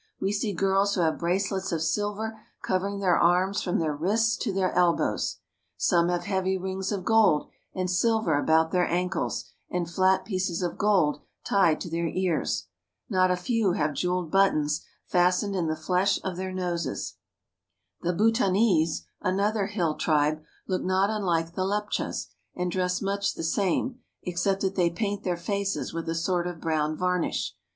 We see girls who have bracelets of silver covering their arms from their wrists to the elbows. Some have heavy rings of gold and silver about their ankles, and flat pieces of gold tied to their ears. Not a few have jeweled buttons fastened in the flesh of their noses. Leptchas. The Bhutanese, another hill tribe, look not unlike the Leptchas, and dress much the same, except that they paint their faces with a sort of brown varnish.